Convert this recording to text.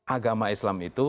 agama islam itu